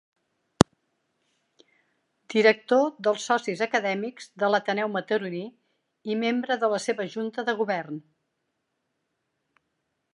Director dels socis acadèmics de l'Ateneu Mataroní i membre de la seva junta de govern.